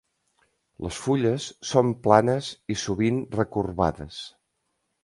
Les fulles són planes i sovint recorbades.